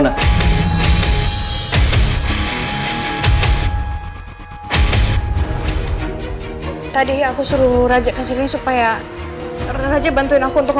kayaknya antic attempting untuk itu